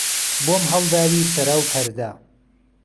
بۆم ههڵداوی سەرا و پهرده